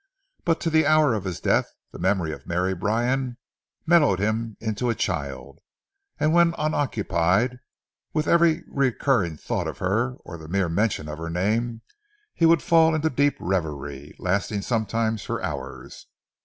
But to the hour of his death the memory of Mary Bryan mellowed him into a child, and, when unoccupied, with every recurring thought of her or the mere mention of her name, he would fall into deep reverie, lasting sometimes for hours.